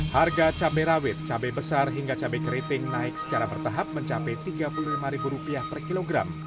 harga cabai rawit cabai besar hingga cabai keriting naik secara bertahap mencapai rp tiga puluh lima per kilogram